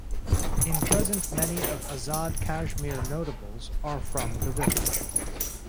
In present many of Azad Kashmir notables are from the village.